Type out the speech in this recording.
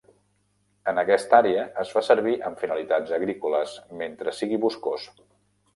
En aquesta àrea es fa servir amb finalitats agrícoles, mentre sigui boscós.